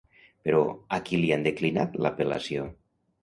Però, a qui li han declinat l'apel·lació?